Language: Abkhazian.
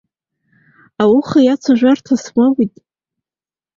Ауха иацәажәарҭа смоуит.